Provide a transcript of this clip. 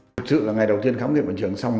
thực sự là ngày đầu tiên khám nghiệp bản trường xong